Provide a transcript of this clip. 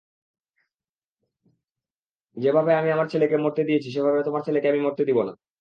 যেভাবে আমি আমার ছেলেকে মরতে দিয়েছি সেভাবে তোমার ছেলেকে আমি মরতে দিবো না।